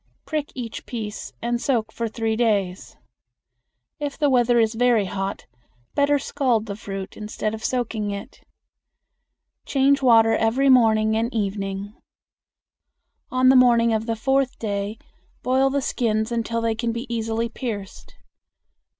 Prick each piece and soak for three days. If the weather is very hot, better scald the fruit instead of soaking it. Change water every morning and evening. On the morning of the fourth day boil the skins until they can be easily pierced.